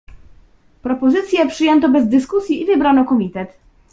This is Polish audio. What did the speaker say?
"Propozycję przyjęto bez dyskusji i wybrano komitet."